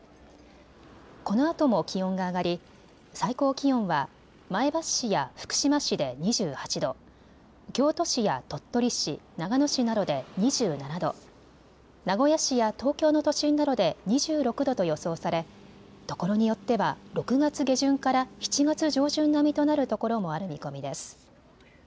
このあとも気温が上がり最高気温は前橋市や福島市で２８度、京都市や鳥取市、長野市などで２７度、名古屋市や東京の都心などで２６度と予想されところによっては６月下旬から７月上旬並みとなるところもある見込みです。